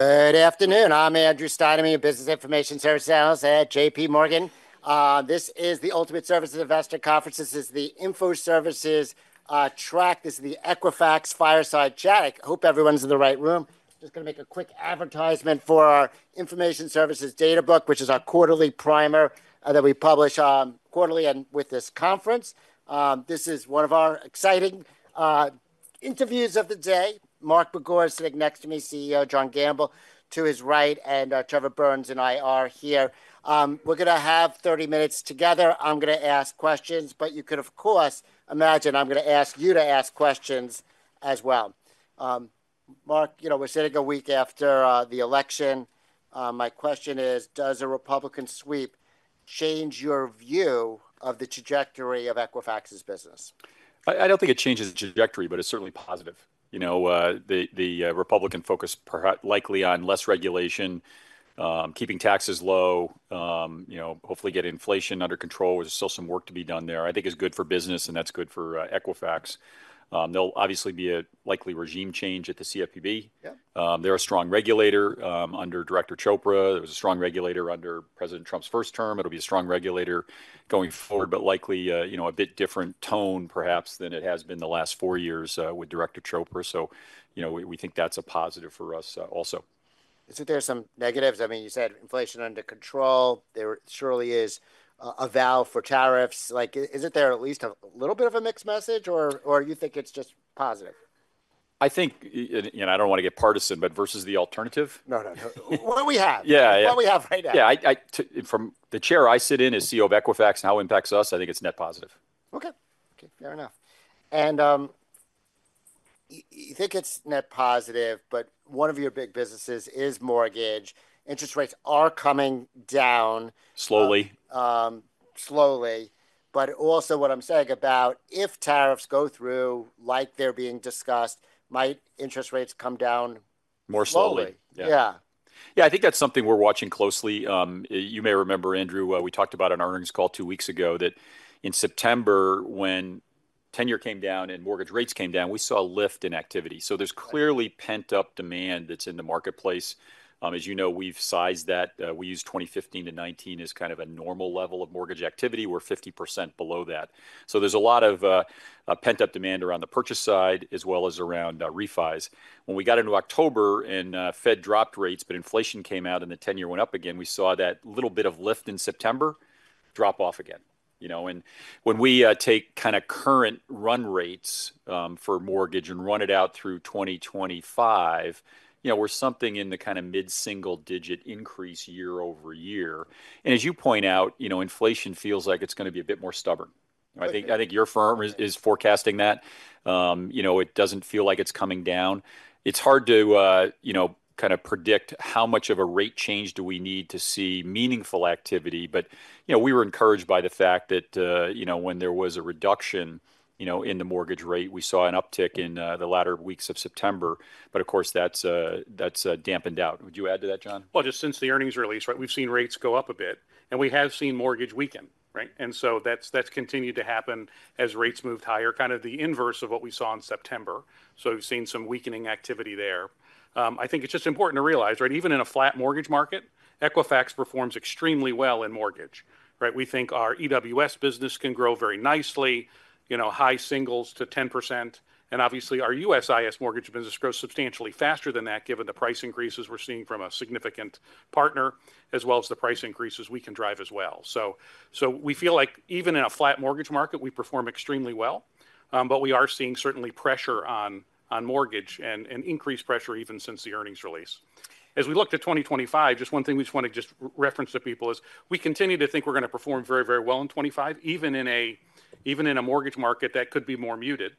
Good afternoon. I'm Andrew Steinman, Business Information Service Analyst at JPMorgan. This is the Ultimate Services Investor Conference. This is the Info Services track. This is the Equifax Fireside Chat. I hope everyone's in the right room. I'm just going to make a quick advertisement for our Information Services Data Book, which is our quarterly primer that we publish quarterly and with this conference. This is one of our exciting interviews of the day. Mark Begor is sitting next to me, CEO John Gamble, to his right, and Trevor Burns and I are here. We're going to have 30 minutes together. I'm going to ask questions, but you could, of course, imagine I'm going to ask you to ask questions as well. Mark, you know we're sitting a week after the election. My question is, does a Republican sweep change your view of the trajectory of Equifax's business? I don't think it changes the trajectory, but it's certainly positive. You know, the Republican focus likely on less regulation, keeping taxes low, hopefully getting inflation under control. There's still some work to be done there. I think it's good for business, and that's good for Equifax. There'll obviously be a likely regime change at the CFPB. They're a strong regulator under Director Chopra. There was a strong regulator under President Trump's first term. It'll be a strong regulator going forward, but likely a bit different tone, perhaps, than it has been the last four years with Director Chopra. So, you know, we think that's a positive for us also. Isn't there some negatives? I mean, you said inflation under control. There surely is a vow for tariffs. Isn't there at least a little bit of a mixed message, or do you think it's just positive? I think, and I don't want to get partisan, but versus the alternative? No, no, no. What do we have? What do we have right now? Yeah. From the chair I sit in as CEO of Equifax, how it impacts us, I think it's net positive. Okay. Fair enough. And you think it's net positive, but one of your big businesses is mortgage. Interest rates are coming down. Slowly. Slowly. But also what I'm saying about, if tariffs go through like they're being discussed, might interest rates come down? More slowly. Slowly. Yeah. Yeah. Yeah, I think that's something we're watching closely. You may remember, Andrew, we talked about on our earnings call two weeks ago that in September, when the ten-year came down and mortgage rates came down, we saw a lift in activity. So there's clearly pent-up demand that's in the marketplace. As you know, we've sized that. We use 2015 to 2019 as kind of a normal level of mortgage activity. We're 50% below that. So there's a lot of pent-up demand around the purchase side, as well as around refis. When we got into October and the Fed dropped rates, but inflation came out and the ten-year went up again, we saw that little bit of lift in September drop off again. And when we take kind of current run rates for mortgage and run it out through 2025, you know, we're something in the kind of mid-single-digit increase year over year. And as you point out, you know, inflation feels like it's going to be a bit more stubborn. I think your firm is forecasting that. You know, it doesn't feel like it's coming down. It's hard to kind of predict how much of a rate change do we need to see meaningful activity. But we were encouraged by the fact that when there was a reduction in the mortgage rate, we saw an uptick in the latter weeks of September. But of course, that's dampened out. Would you add to that, John? Just since the earnings release, we've seen rates go up a bit. We have seen mortgage weaken. That's continued to happen as rates moved higher, kind of the inverse of what we saw in September. We've seen some weakening activity there. I think it's just important to realize, even in a flat mortgage market, Equifax performs extremely well in mortgage. We think our EWS business can grow very nicely, high singles to 10%. Obviously, our USIS mortgage business grows substantially faster than that, given the price increases we're seeing from a significant partner, as well as the price increases we can drive as well. We feel like even in a flat mortgage market, we perform extremely well. We are seeing certainly pressure on mortgage and increased pressure even since the earnings release. As we look to 2025, one thing we want to reference to people is we continue to think we're going to perform very, very well in 2025, even in a mortgage market that could be more muted.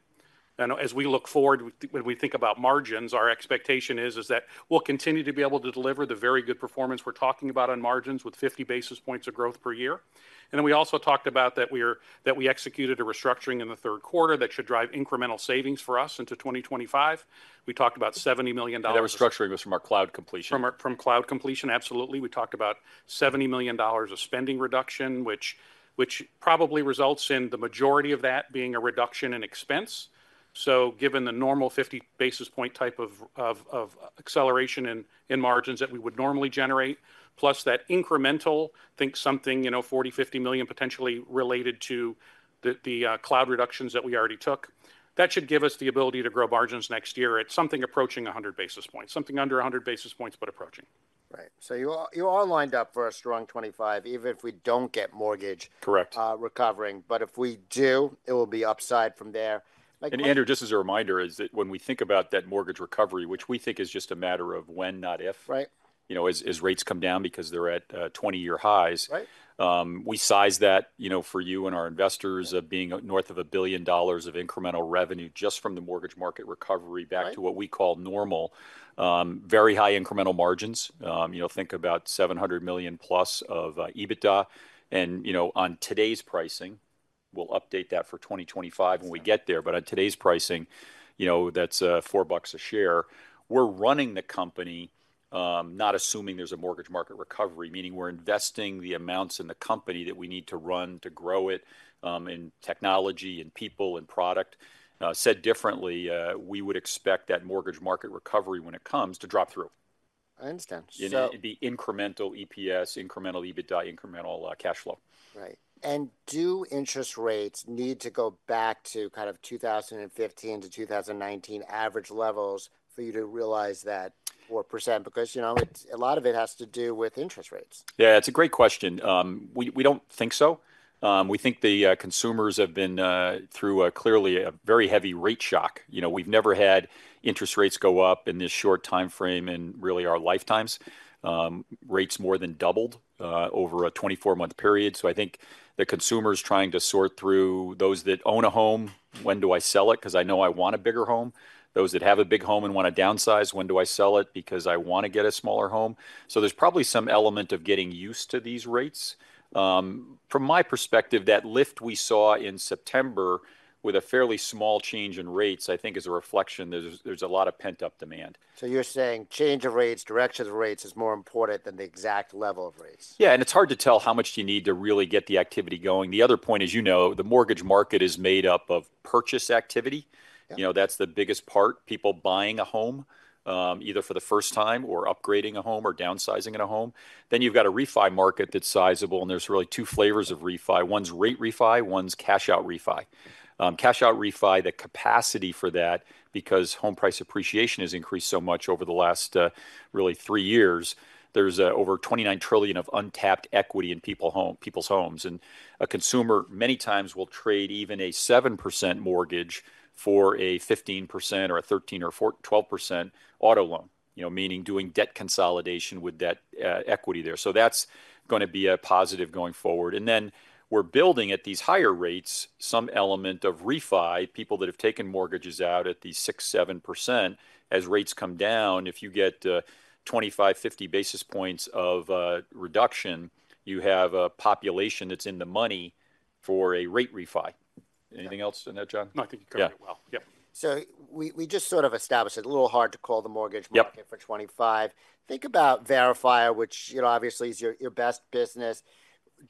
And as we look forward, when we think about margins, our expectation is that we'll continue to be able to deliver the very good performance we're talking about on margins with 50 basis points of growth per year. And then we also talked about that we executed a restructuring in the Q3 that should drive incremental savings for us into 2025. We talked about $70 million. That restructuring was from our cloud completion. From cloud completion, absolutely. We talked about $70 million of spending reduction, which probably results in the majority of that being a reduction in expense. So given the normal 50 basis point type of acceleration in margins that we would normally generate, plus that incremental, I think something $40-50 million potentially related to the cloud reductions that we already took, that should give us the ability to grow margins next year. It's something approaching 100 basis points, something under 100 basis points, but approaching. Right. So you're all lined up for a strong 2025, even if we don't get mortgage recovering, but if we do, it will be upside from there. And Andrew, just as a reminder, is that when we think about that mortgage recovery, which we think is just a matter of when, not if, as rates come down because they're at 20-year highs, we size that for you and our investors of being north of $1 billion of incremental revenue just from the mortgage market recovery back to what we call normal, very high incremental margins. Think about $700 million plus of EBITDA. And on today's pricing, we'll update that for 2025 when we get there. But on today's pricing, that's $4 a share. We're running the company, not assuming there's a mortgage market recovery, meaning we're investing the amounts in the company that we need to run to grow it in technology, in people, in product. Said differently, we would expect that mortgage market recovery when it comes to drop through. I understand. It'd be incremental EPS, incremental EBITDA, incremental cash flow. Right. And do interest rates need to go back to kind of 2015 to 2019 average levels for you to realize that 4%? Because a lot of it has to do with interest rates. Yeah, it's a great question. We don't think so. We think the consumers have been through clearly a very heavy rate shock. We've never had interest rates go up in this short time frame in really our lifetimes. Rates more than doubled over a 24-month period. So I think the consumers trying to sort through those that own a home, when do I sell it? Because I know I want a bigger home. Those that have a big home and want to downsize, when do I sell it? Because I want to get a smaller home. So there's probably some element of getting used to these rates. From my perspective, that lift we saw in September with a fairly small change in rates, I think is a reflection there's a lot of pent-up demand. So you're saying change of rates, direction of rates is more important than the exact level of rates. Yeah. And it's hard to tell how much you need to really get the activity going. The other point is, you know, the mortgage market is made up of purchase activity. That's the biggest part. People buying a home, either for the first time or upgrading a home or downsizing in a home. Then you've got a refi market that's sizable. And there's really two flavors of refi. One's rate refi, one's cash-out refi. Cash-out refi, the capacity for that, because home price appreciation has increased so much over the last really three years, there's over $29 trillion of untapped equity in people's homes. And a consumer many times will trade even a 7% mortgage for a 15% or a 13% or 12% auto loan, meaning doing debt consolidation with debt equity there. So that's going to be a positive going forward. And then we're building at these higher rates, some element of refi, people that have taken mortgages out at the 6%, 7%. As rates come down, if you get 25, 50 basis points of reduction, you have a population that's in the money for a rate refi. Anything else on that, John? No, I think you covered it well. Yeah. So we just sort of established it a little hard to call the mortgage market for 2025. Think about Verifier, which obviously is your best business.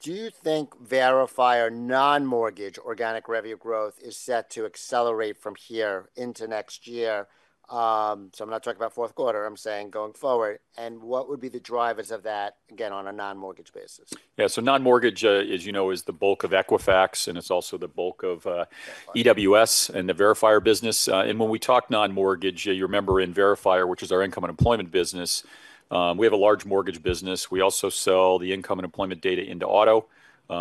Do you think Verifier non-mortgage organic revenue growth is set to accelerate from here into next year? So I'm not talking about Q4. I'm saying going forward. And what would be the drivers of that, again, on a non-mortgage basis? Yeah. So non-mortgage, as you know, is the bulk of Equifax. And it's also the bulk of EWS and the Verifier business. And when we talk non-mortgage, you remember in Verifier, which is our income and employment business, we have a large mortgage business. We also sell the income and employment data into auto,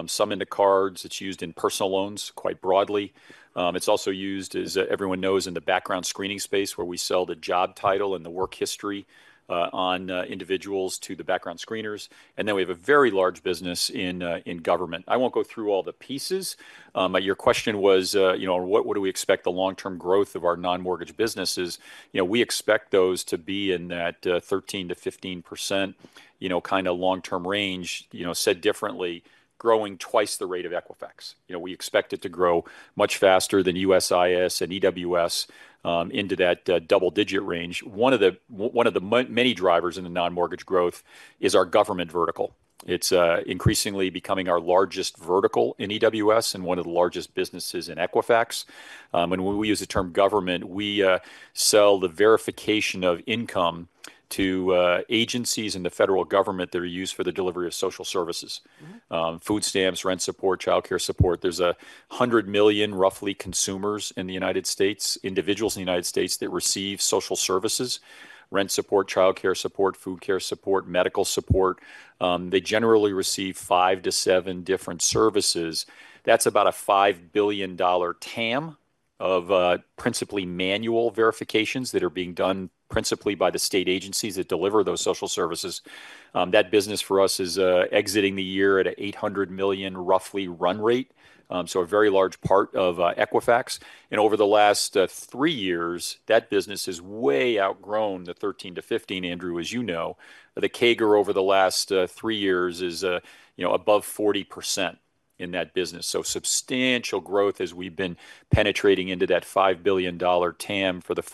some into cards. It's used in personal loans quite broadly. It's also used, as everyone knows, in the background screening space, where we sell the job title and the work history on individuals to the background screeners. And then we have a very large business in government. I won't go through all the pieces. But your question was, what do we expect the long-term growth of our non-mortgage businesses? We expect those to be in that 13-15% kind of long-term range. Said differently, growing twice the rate of Equifax. We expect it to grow much faster than USIS and EWS into that double-digit range. One of the many drivers in the non-mortgage growth is our government vertical. It's increasingly becoming our largest vertical in EWS and one of the largest businesses in Equifax. When we use the term government, we sell the verification of income to agencies in the federal government that are used for the delivery of social services: food stamps, rent support, childcare support. There's 100 million, roughly, consumers in the U.S. individuals in the U.S. that receive social services: rent support, childcare support, food care support, medical support. They generally receive five to seven different services. That's about a $5 billion TAM of principally manual verifications that are being done principally by the state agencies that deliver those social services. That business, for us, is exiting the year at a $800 million, roughly, run rate. So a very large part of Equifax. And over the last three years, that business has way outgrown the 13%-15%, Andrew, as you know. The CAGR over the last three years is above 40% in that business. So substantial growth as we've been penetrating into that $5 billion TAM for the $4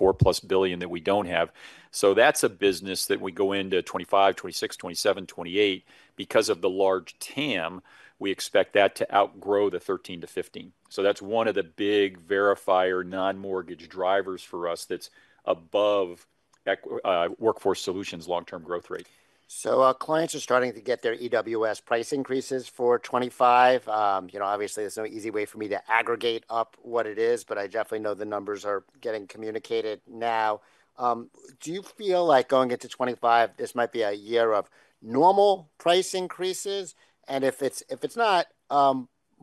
billion-plus that we don't have. So that's a business that we go into 2025, 2026, 2027, 2028, because of the large TAM, we expect that to outgrow the 13%-15%. So that's one of the big Verifier non-mortgage drivers for us that's above Workforce Solutions' long-term growth rate. So our clients are starting to get their EWS price increases for 2025. Obviously, there's no easy way for me to aggregate up what it is, but I definitely know the numbers are getting communicated now. Do you feel like going into 2025, this might be a year of normal price increases? And if it's not,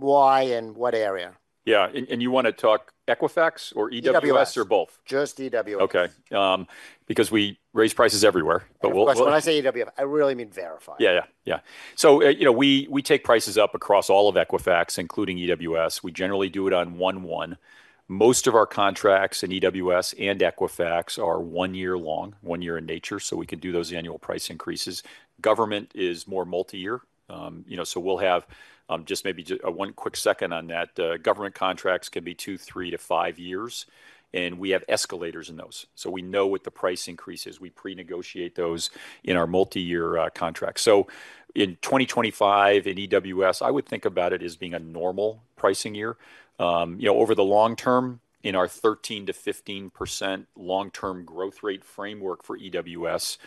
why and what area? Yeah. And you want to talk Equifax or EWS or both? Just EWS. Okay. Because we raise prices everywhere. When I say EWS, I really mean Verifier. Yeah, yeah, yeah. So we take prices up across all of Equifax, including EWS. We generally do it on one-one. Most of our contracts in EWS and Equifax are one year long, one year in nature. So we can do those annual price increases. Government is more multi-year. So we'll have just maybe one quick second on that. Government contracts can be two, three to five years. And we have escalators in those. So we know what the price increase is. We pre-negotiate those in our multi-year contracts. So in 2025 in EWS, I would think about it as being a normal pricing year. Over the long term, in our 13%-15% long-term growth rate framework for EWS,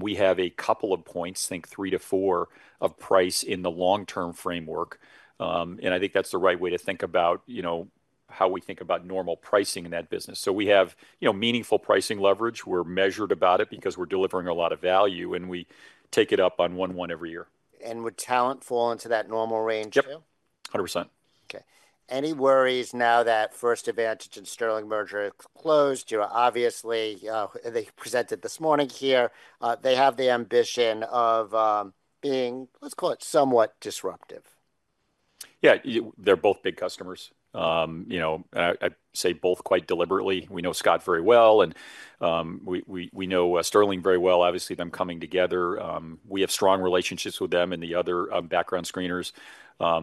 we have a couple of points, think three-four, of price in the long-term framework. And I think that's the right way to think about how we think about normal pricing in that business. So we have meaningful pricing leverage. We're measured about it because we're delivering a lot of value. And we take it up on one-one every year. Would talent fall into that normal range too? Yep, 100%. Okay. Any worries now that First Advantage and Sterling merger closed? Obviously, they presented this morning here. They have the ambition of being, let's call it somewhat disruptive. Yeah. They're both big customers. I say both quite deliberately. We know Scott very well. And we know Sterling very well. Obviously, them coming together. We have strong relationships with them and the other background screeners.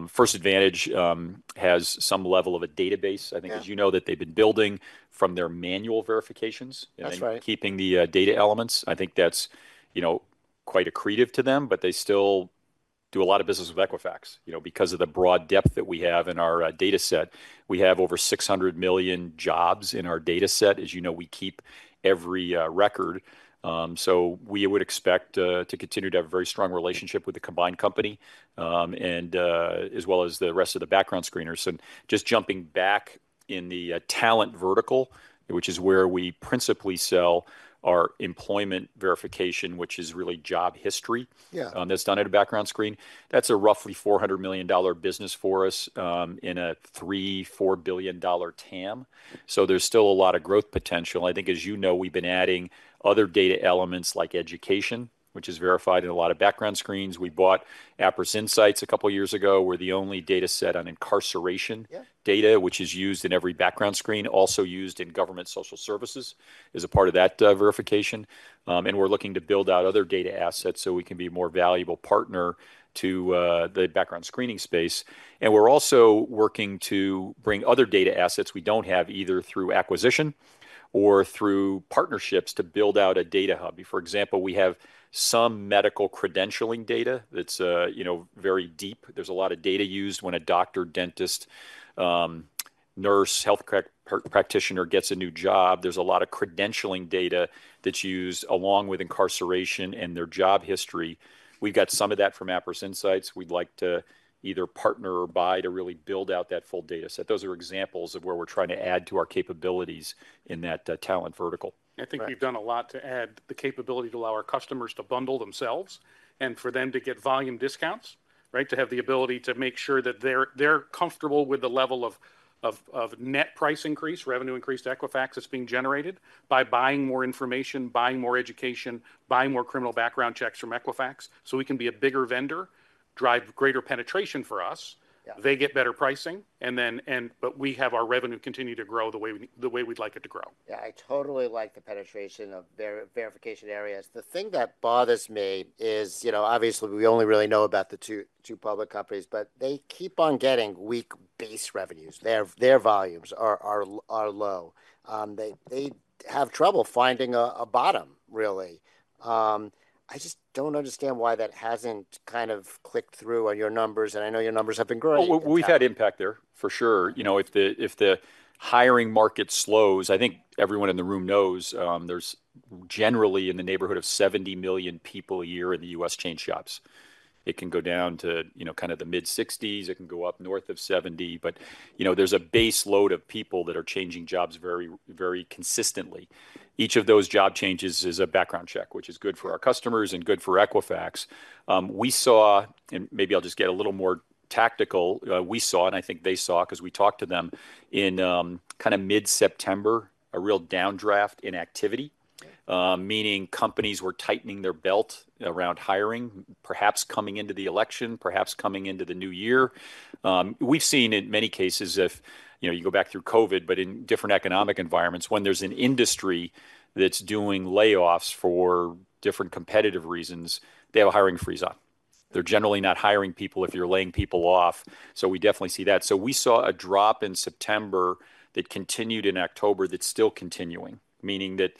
First Advantage has some level of a database, I think, as you know, that they've been building from their manual verifications, keeping the data elements. I think that's quite accretive to them. But they still do a lot of business with Equifax. Because of the broad depth that we have in our data set, we have over 600 million jobs in our data set. As you know, we keep every record. So we would expect to continue to have a very strong relationship with the combined company, as well as the rest of the background screeners. And just jumping back in the talent vertical, which is where we principally sell our employment verification, which is really job history, that's done at a background screen. That's a roughly $400 million business for us in a $3-$4 billion TAM. So there's still a lot of growth potential. I think, as you know, we've been adding other data elements like education, which is verified in a lot of background screens. We bought Appriss Insights a couple of years ago. We're the only data set on incarceration data, which is used in every background screen, also used in government social services as a part of that verification. And we're looking to build out other data assets so we can be a more valuable partner to the background screening space. And we're also working to bring other data assets we don't have either through acquisition or through partnerships to build out a data hub. For example, we have some medical credentialing data that's very deep. There's a lot of data used when a doctor, dentist, nurse, health practitioner gets a new job. There's a lot of credentialing data that's used along with incarceration and their job history. We've got some of that from Appriss Insights. We'd like to either partner or buy to really build out that full data set. Those are examples of where we're trying to add to our capabilities in that talent vertical. I think we've done a lot to add the capability to allow our customers to bundle themselves and for them to get volume discounts, to have the ability to make sure that they're comfortable with the level of net price increase, revenue increase to Equifax that's being generated by buying more information, buying more education, buying more criminal background checks from Equifax. So we can be a bigger vendor, drive greater penetration for us. They get better pricing. But we have our revenue continue to grow the way we'd like it to grow. Yeah, I totally like the penetration of verification areas. The thing that bothers me is, obviously, we only really know about the two public companies, but they keep on getting weak base revenues. Their volumes are low. They have trouble finding a bottom, really. I just don't understand why that hasn't kind of clicked through on your numbers. And I know your numbers have been growing. We've had impact there, for sure. If the hiring market slows, I think everyone in the room knows there's generally in the neighborhood of 70 million people a year in the U.S. change jobs. It can go down to kind of the mid-60s. It can go up north of 70. But there's a base load of people that are changing jobs very consistently. Each of those job changes is a background check, which is good for our customers and good for Equifax. We saw, and maybe I'll just get a little more tactical, we saw, and I think they saw, because we talked to them in kind of mid-September, a real downdraft in activity, meaning companies were tightening their belt around hiring, perhaps coming into the election, perhaps coming into the new year. We've seen in many cases if you go back through COVID, but in different economic environments, when there's an industry that's doing layoffs for different competitive reasons, they have a hiring freeze-on. They're generally not hiring people if you're laying people off. So we definitely see that. So we saw a drop in September that continued in October that's still continuing, meaning that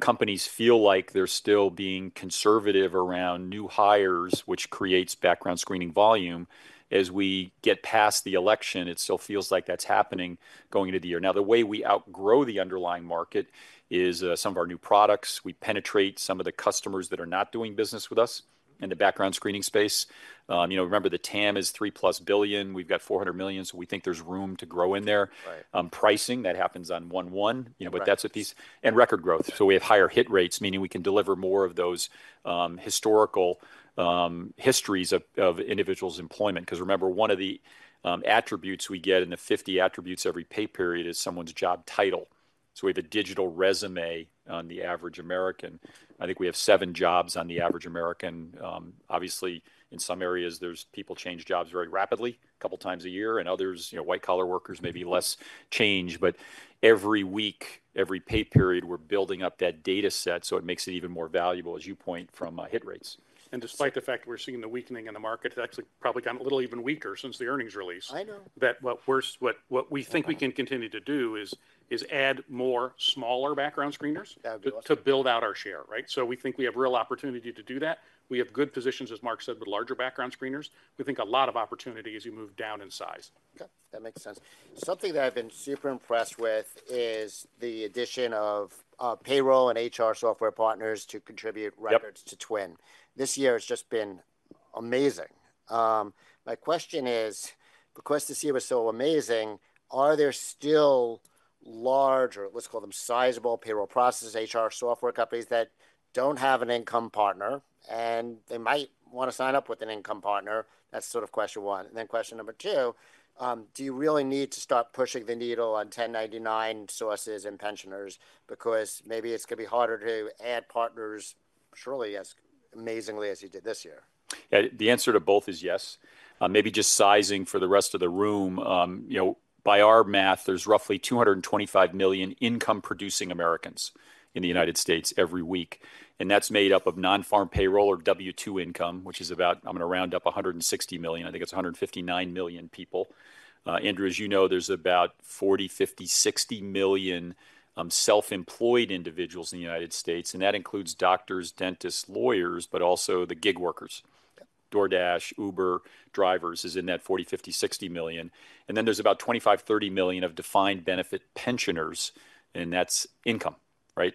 companies feel like they're still being conservative around new hires, which creates background screening volume. As we get past the election, it still feels like that's happening going into the year. Now, the way we outgrow the underlying market is some of our new products. We penetrate some of the customers that are not doing business with us in the background screening space. Remember, the TAM is $3-plus billion. We've got $400 million. So we think there's room to grow in there. Pricing, that happens on one-on-one. But that's what's driving record growth. So we have higher hit rates, meaning we can deliver more of those historical histories of individuals' employment. Because remember, one of the attributes we get in the 50 attributes every pay period is someone's job title. So we have a digital resume on the average American. I think we have seven jobs on the average American. Obviously, in some areas, there's people change jobs very rapidly, a couple of times a year. And others, white-collar workers, maybe less change. But every week, every pay period, we're building up that data set. So it makes it even more valuable, as you point out, from hit rates. Despite the fact that we're seeing the weakening in the market, it's actually probably gotten a little even weaker since the earnings release. I know. That's what we think we can continue to do is add more smaller background screeners to build out our share. So we think we have real opportunity to do that. We have good positions, as Mark said, with larger background screeners. We think a lot of opportunity as you move down in size. Okay. That makes sense. Something that I've been super impressed with is the addition of payroll and HR software partners to contribute records to TWN. This year has just been amazing. My question is, because this year was so amazing, are there still larger, let's call them sizable payroll processes, HR software companies that don't have an income partner and they might want to sign up with an income partner? That's sort of question one. And then question number two, do you really need to start pushing the needle on 1099 sources and pensioners? Because maybe it's going to be harder to add partners surely as amazingly as you did this year. Yeah, the answer to both is yes. Maybe just sizing for the rest of the room. By our math, there's roughly 225 million income-producing Americans in the U.S. every week, and that's made up of non-farm payroll or W-2 income, which is about. I'm going to round up, 160 million. I think it's 159 million people. Andrew, as you know, there's about 40, 50, 60 million self-employed individuals in the U.S., and that includes doctors, dentists, lawyers, but also the gig workers. DoorDash, Uber, drivers is in that 40, 50, 60 million, and then there's about 25, 30 million of defined benefit pensioners, and that's income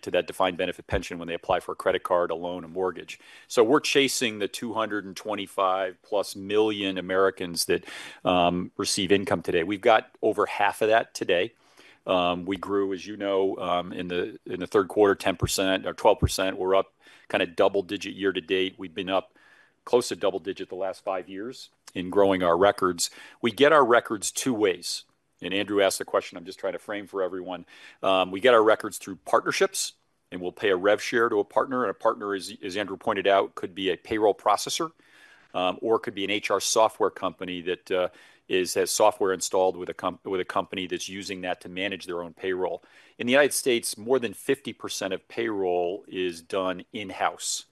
to that defined benefit pension when they apply for a credit card, a loan, a mortgage, so we're chasing the 225 plus million Americans that receive income today. We've got over half of that today. We grew, as you know, in the Q3, 10% or 12%. We're up kind of double-digit year to date. We've been up close to double-digit the last five years in growing our records. We get our records two ways, and Andrew asked the question. I'm just trying to frame for everyone. We get our records through partnerships, and we'll pay a rev share to a partner, and a partner, as Andrew pointed out, could be a payroll processor or could be an HR software company that has software installed with a company that's using that to manage their own payroll. In the U.S., more than 50% of payroll is done in-house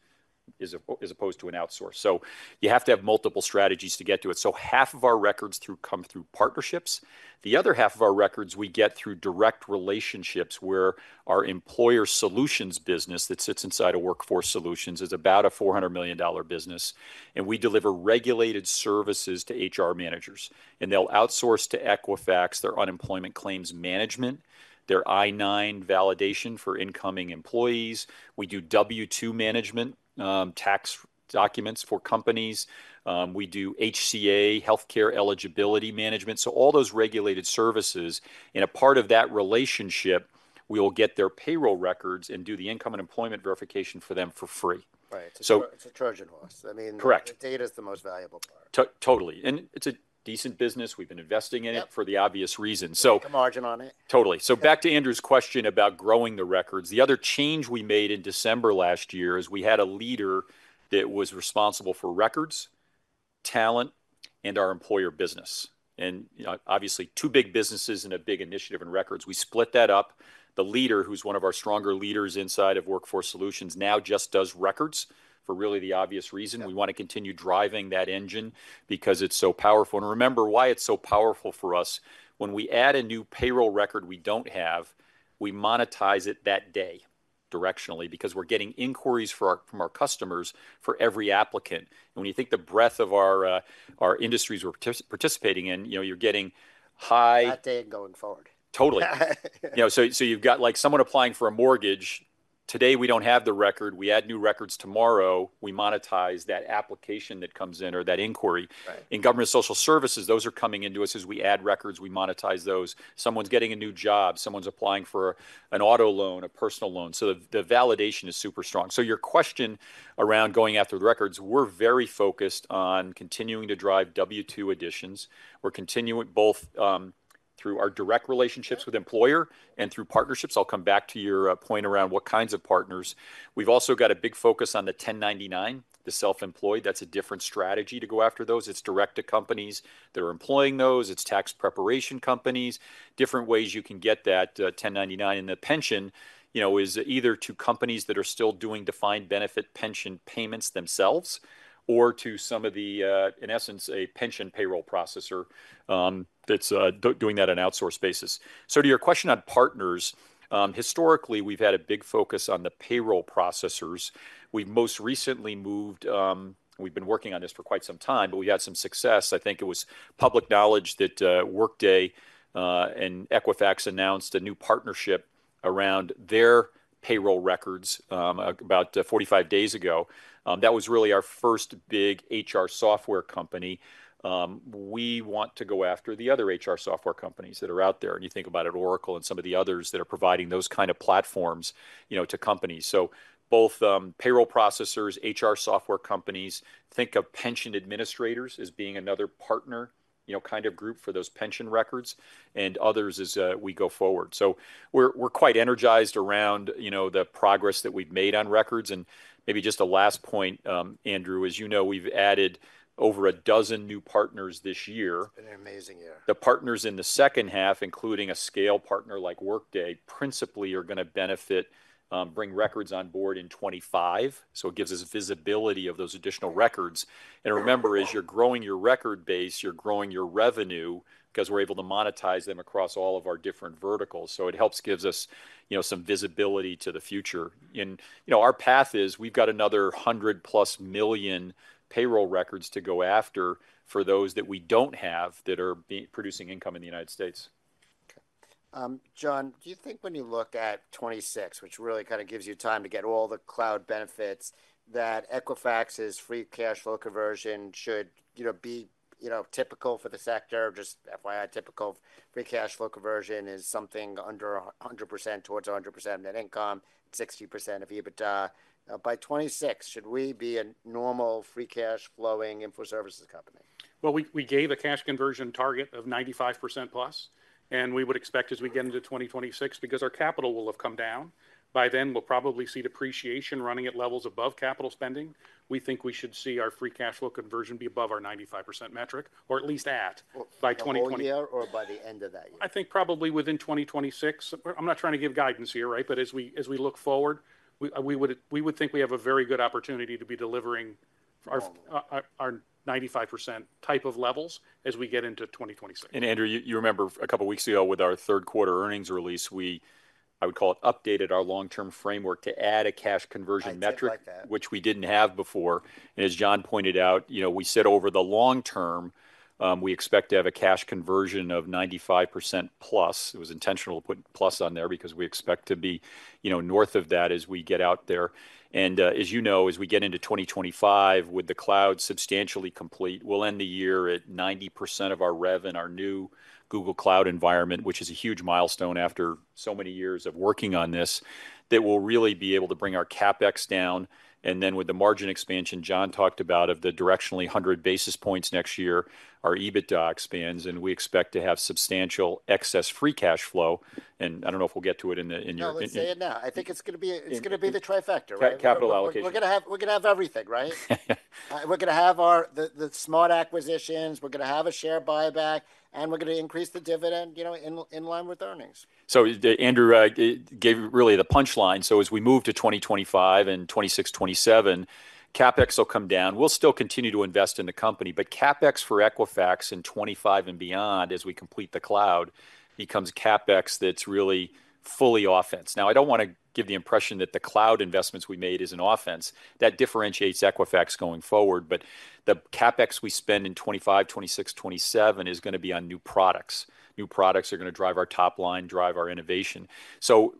as opposed to an outsource so you have to have multiple strategies to get to it so half of our records come through partnerships. The other half of our records, we get through direct relationships where our Employer Solutions business that sits inside of Workforce Solutions is about a $400 million business, and we deliver regulated services to HR managers, and they'll outsource to Equifax their unemployment claims management, their I-9 validation for incoming employees. We do W-2 management, tax documents for companies. We do HCA, healthcare eligibility management, so all those regulated services, and a part of that relationship, we will get their payroll records and do the income and employment verification for them for free. Right. It's a Trojan horse. I mean, data is the most valuable part. Totally. And it's a decent business. We've been investing in it for the obvious reason. Make a margin on it. Totally. So back to Andrew's question about growing the records. The other change we made in December last year is we had a leader that was responsible for records, talent, and our employer business. And obviously, two big businesses and a big initiative in records. We split that up. The leader, who's one of our stronger leaders inside of Workforce Solutions, now just does records for really the obvious reason. We want to continue driving that engine because it's so powerful. And remember why it's so powerful for us. When we add a new payroll record we don't have, we monetize it that day directionally because we're getting inquiries from our customers for every applicant. And when you think the breadth of our industries we're participating in, you're getting high. That day and going forward. Totally. So you've got someone applying for a mortgage. Today, we don't have the record. We add new records tomorrow. We monetize that application that comes in or that inquiry. In government social services, those are coming into us as we add records. We monetize those. Someone's getting a new job. Someone's applying for an auto loan, a personal loan. So the validation is super strong. So your question around going after the records, we're very focused on continuing to drive W-2 additions. We're continuing both through our direct relationships with employer and through partnerships. I'll come back to your point around what kinds of partners. We've also got a big focus on the 1099, the self-employed. That's a different strategy to go after those. It's direct to companies that are employing those. It's tax preparation companies. Different ways you can get that 1099. The pension is either to companies that are still doing defined benefit pension payments themselves or to some of the, in essence, a pension payroll processor that's doing that on an outsource basis. So to your question on partners, historically, we've had a big focus on the payroll processors. We've most recently moved. We've been working on this for quite some time, but we had some success. I think it was public knowledge that Workday and Equifax announced a new partnership around their payroll records about 45 days ago. That was really our first big HR software company. We want to go after the other HR software companies that are out there. And you think about it, Oracle and some of the others that are providing those kind of platforms to companies. So both payroll processors, HR software companies, think of pension administrators as being another partner kind of group for those pension records and others as we go forward. So we're quite energized around the progress that we've made on records. And maybe just a last point, Andrew. As you know, we've added over a dozen new partners this year. It's been an amazing year. The partners in the H2, including a scale partner like Workday, principally are going to benefit, bring records on board in 2025, so it gives us visibility of those additional records. Remember, as you're growing your record base, you're growing your revenue because we're able to monetize them across all of our different verticals, so it helps give us some visibility to the future, and our path is we've got another 100-plus million payroll records to go after for those that we don't have that are producing income in the U.S.. Okay. John, do you think when you look at 2026, which really kind of gives you time to get all the cloud benefits, that Equifax's free cash flow conversion should be typical for the sector? Just FYI, typical free cash flow conversion is something under 100% towards 100% net income, 60% of EBITDA. By 2026, should we be a normal free cash flowing info services company? We gave a cash conversion target of 95% plus. We would expect as we get into 2026, because our capital will have come down, by then we'll probably see depreciation running at levels above capital spending. We think we should see our free cash flow conversion be above our 95% metric, or at least at by 2020. Or by the end of that year. I think probably within 2026. I'm not trying to give guidance here, right? But as we look forward, we would think we have a very good opportunity to be delivering our 95% type of levels as we get into 2026. Andrew, you remember a couple of weeks ago with our Q3 earnings release. We—I would call it—updated our long-term framework to add a cash conversion metric, which we didn't have before. As John pointed out, we said over the long term, we expect to have a cash conversion of 95% plus. It was intentional to put plus on there because we expect to be north of that as we get out there. As you know, as we get into 2025, with the cloud substantially complete, we'll end the year at 90% of our rev in our new Google Cloud environment, which is a huge milestone after so many years of working on this, that we'll really be able to bring our CapEx down. Then with the margin expansion John talked about of the directionally 100 basis points next year, our EBITDA expands. We expect to have substantial excess free cash flow. I don't know if we'll get to it in your. Don't say it now. I think it's going to be the trifecta, right? Capital allocation. We're going to have everything, right? We're going to have the smart acquisitions. We're going to have a share buyback. And we're going to increase the dividend in line with earnings. So Andrew gave really the punchline. So as we move to 2025 and 2026, 2027, CapEx will come down. We'll still continue to invest in the company. But CapEx for Equifax in 2025 and beyond, as we complete the cloud, becomes CapEx that's really fully offense. Now, I don't want to give the impression that the cloud investments we made is an offense. That differentiates Equifax going forward. But the CapEx we spend in 2025, 2026, 2027 is going to be on new products. New products are going to drive our top line, drive our innovation. So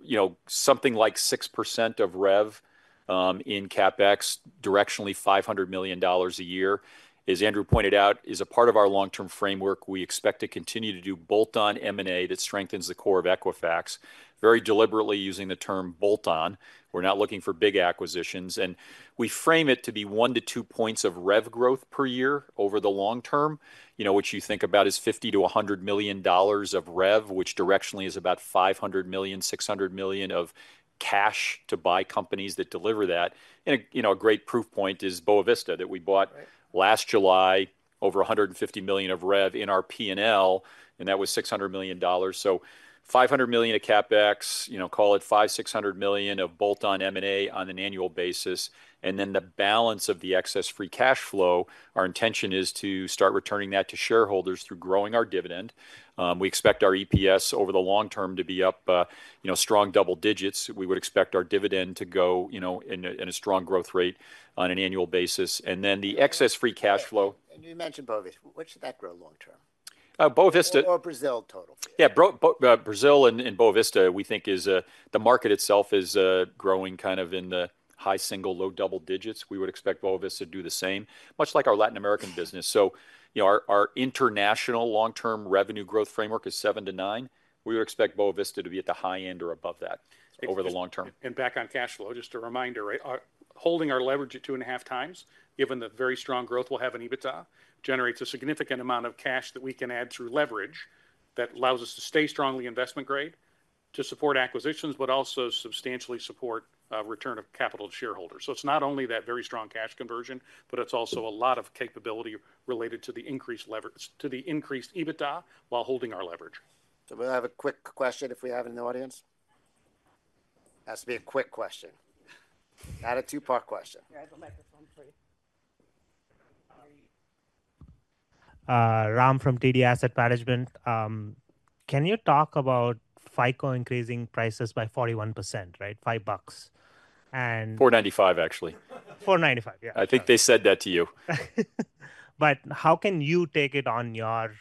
something like 6% of rev in CapEx, directionally $500 million a year, as Andrew pointed out, is a part of our long-term framework. We expect to continue to do bolt-on M&A that strengthens the core of Equifax, very deliberately using the term bolt-on. We're not looking for big acquisitions. We frame it to be one to two points of rev growth per year over the long term, which you think about as $50-$100 million of rev, which directionally is about $500-$600 million of cash to buy companies that deliver that. A great proof point is Boa Vista that we bought last July, over $150 million of rev in our P&L. And that was $600 million. So $500 million of CapEx, call it $500-$600 million of bolt-on M&A on an annual basis. Then the balance of the excess free cash flow, our intention is to start returning that to shareholders through growing our dividend. We expect our EPS over the long term to be up strong double digits. We would expect our dividend to go in a strong growth rate on an annual basis. Then the excess free cash flow. You mentioned Boa Vista. Which should that grow long term? Boa Vista. Or Brazil total. Yeah, Brazil and Boa Vista, we think the market itself is growing kind of in the high single, low double digits. We would expect Boa Vista to do the same, much like our Latin American business. So our international long-term revenue growth framework is seven to nine. We would expect Boa Vista to be at the high end or above that over the long term. Back on cash flow, just a reminder, holding our leverage at two and a half times, given the very strong growth we'll have in EBITDA, generates a significant amount of cash that we can add through leverage that allows us to stay strongly investment grade to support acquisitions, but also substantially support return of capital to shareholders. It's not only that very strong cash conversion, but it's also a lot of capability related to the increased EBITDA while holding our leverage. Do we have a quick question if we have in the audience? Has to be a quick question. Not a two-part question. Yeah, the microphone's free. Ram from TD Asset Management. Can you talk about FICO increasing prices by 41%, right? $5. $4.95, actually. $4.95, yeah. I think they said that to you. But how can you take it on? It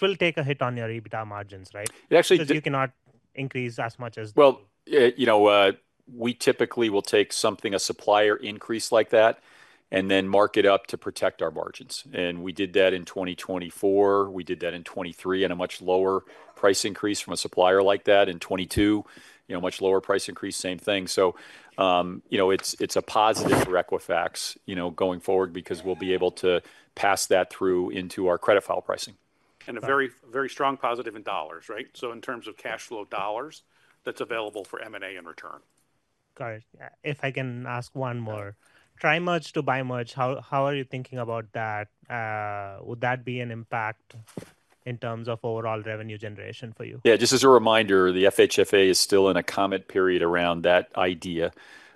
will take a hit on your EBITDA margins, right? It actually. Because you cannot increase as much as. We typically will take something, a supplier increase like that, and then mark it up to protect our margins. We did that in 2024. We did that in 2023 at a much lower price increase from a supplier like that. In 2022, a much lower price increase, same thing. It's a positive for Equifax going forward because we'll be able to pass that through into our credit file pricing. A very strong positive in dollars, right? In terms of cash flow dollars, that's available for M&A in return. Got it. If I can ask one more. Tri-merge to bi-merge, how are you thinking about that? Would that be an impact in terms of overall revenue generation for you? Yeah, just as a reminder, the FHFA is still in a comment period around that idea,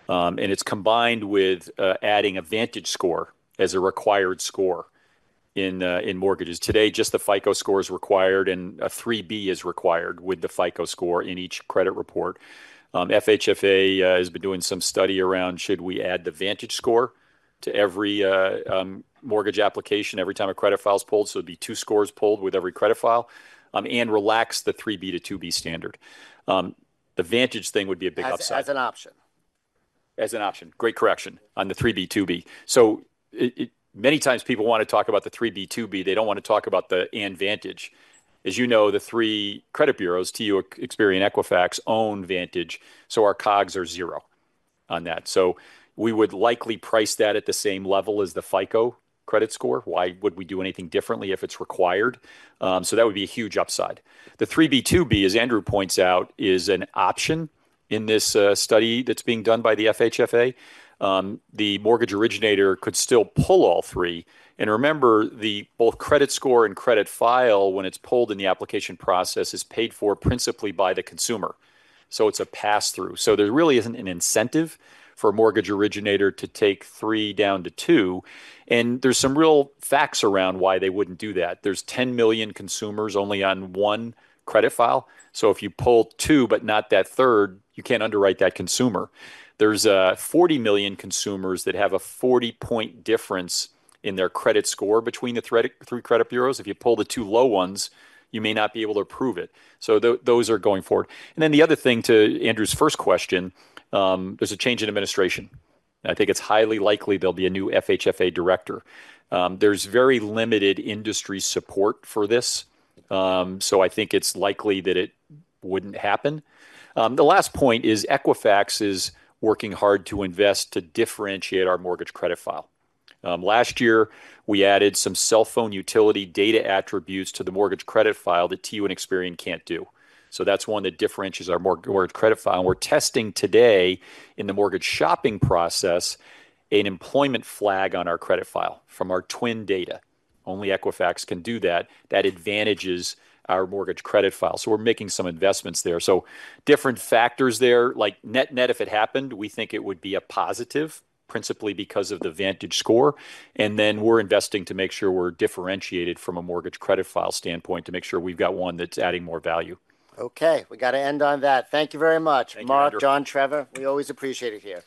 and it's combined with adding a VantageScore as a required score in mortgages. Today, just the FICO score is required and a 3B is required with the FICO score in each credit report. FHFA has been doing some study around should we add the VantageScore to every mortgage application every time a credit file is pulled, so it'd be two scores pulled with every credit file and relax the 3B to 2B standard. The VantageScore thing would be a big upside. As an option. As an option. Great correction on the 3B, 2B. So many times people want to talk about the 3B, 2B. They don't want to talk about the VantageScore. As you know, the three credit bureaus, TU, Experian, Equifax, own VantageScore. So our COGS are zero on that. So we would likely price that at the same level as the FICO credit score. Why would we do anything differently if it's required? So that would be a huge upside. The 3B, 2B, as Andrew points out, is an option in this study that's being done by the FHFA. The mortgage originator could still pull all three. And remember, both credit score and credit file, when it's pulled in the application process, is paid for principally by the consumer. So it's a pass-through. So there really isn't an incentive for a mortgage originator to take three down to two. And there's some real facts around why they wouldn't do that. There's 10 million consumers only on one credit file. So if you pull two, but not that third, you can't underwrite that consumer. There's 40 million consumers that have a 40-point difference in their credit score between the three credit bureaus. If you pull the two low ones, you may not be able to prove it. So those are going forward. And then the other thing to Andrew's first question, there's a change in administration. I think it's highly likely there'll be a new FHFA director. There's very limited industry support for this. So I think it's likely that it wouldn't happen. The last point is Equifax is working hard to invest to differentiate our mortgage credit file. Last year, we added some cell phone utility data attributes to the mortgage credit file that TU and Experian can't do. So that's one that differentiates our mortgage credit file. And we're testing today in the mortgage shopping process an employment flag on our credit file from our The Work Number data. Only Equifax can do that. That advantages our mortgage credit file. So we're making some investments there. So different factors there, like net net, if it happened, we think it would be a positive, principally because of the VantageScore. And then we're investing to make sure we're differentiated from a mortgage credit file standpoint to make sure we've got one that's adding more value. Okay. We got to end on that. Thank you very much. Thank you. Mark, John, Trevor, we always appreciate it here.